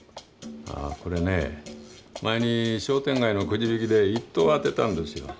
これね前に商店街のくじ引きで１等を当てたんですよ。